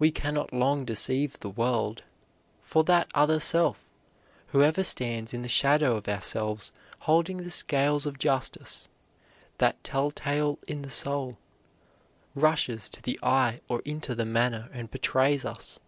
We cannot long deceive the world, for that other self, who ever stands in the shadow of ourselves holding the scales of justice, that telltale in the soul, rushes to the eye or into the manner and betrays us.